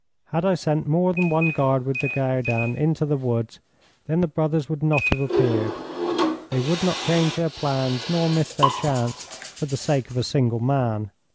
Had I sent more than one guard with De Goudin into the woods, then the brothers would not have appeared. They would not change their plans nor miss their chance for the sake of a single man.